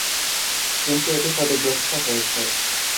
কিন্তু এটি ক্ষতিগ্রস্ত হয়েছে।